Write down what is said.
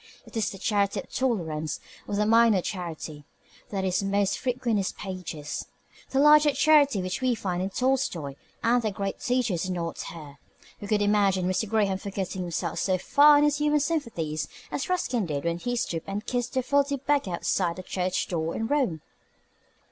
It is the charity of tolerance, or the minor charity, that is most frequent in his pages. The larger charity which we find in Tolstoi and the great teachers is not here. We could not imagine Mr. Graham forgetting himself so far in his human sympathies as Ruskin did when he stooped and kissed the filthy beggar outside the church door in Rome.